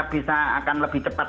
bisa akan lebih cepat